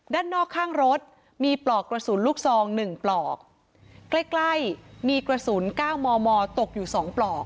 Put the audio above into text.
ด้านนอกข้างรถมีปลอกกระสุนลูกซองหนึ่งปลอกใกล้ใกล้มีกระสุนเก้ามอมอตกอยู่สองปลอก